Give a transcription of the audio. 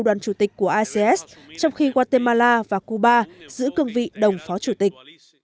đoàn chủ tịch của asean trong khi guatemala và cuba giữ cương vị đồng phó chủ tịch